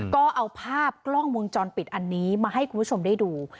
ก็เอาภาพกล้องวงจรปิดอันนี้มาให้คุณผู้ชมได้ดู